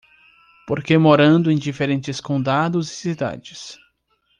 Porque morando em diferentes condados e cidades